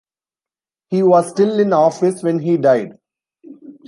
He was still in office when he died.